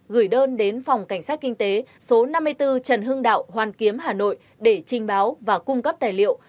gửi đơn đến phòng cảnh sát kinh tế số năm mươi bốn trần hưng đạo hoàn kiếm hà nội để trình báo và cung cấp tài liệu